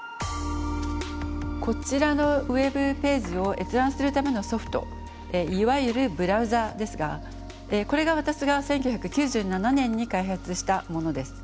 こちらのＷｅｂページを閲覧するためのソフトいわゆるブラウザですがこれが私が１９９７年に開発したものです。